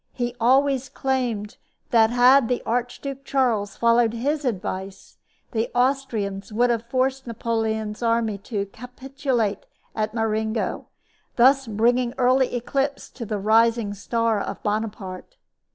He always claimed that had the Archduke Charles followed his advice, the Austrians would have forced Napoleon's army to capitulate at Marengo, thus bringing early eclipse to the rising star of Bonaparte.